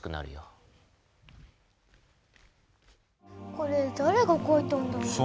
これだれがかいたんだろうね？